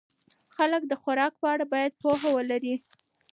خلک د خوراک په اړه باید پوهه ولري.